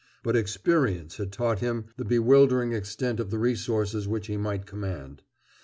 But experience had taught him the bewildering extent of the resources which he might command.